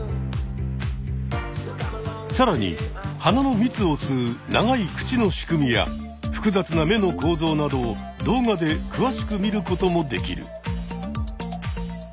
さらに花のみつを吸う長い口の仕組みや複雑な目の構造などを動画でくわしく見ることもできる。